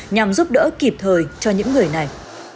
nhằm giúp đỡ kịp thời cho những người này